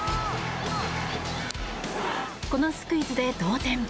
このスクイズで同点。